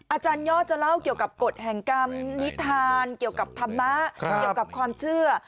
อาจารยอดจะเล่าเกี่ยวกับกฎแห่งกรรมนิทานเกี่ยวกับธรรมะเกี่ยวกับความเชื่อ